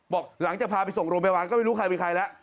บอกหลังจากพาไปส่งโรงพยาบาลก็ไม่รู้ใครเป็นใครแล้ว